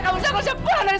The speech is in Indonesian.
kamu seharusnya pulang